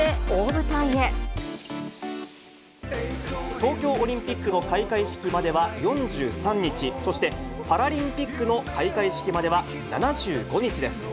東京オリンピックの開会式までは４３日、そして、パラリンピックの開会式までは７５日です。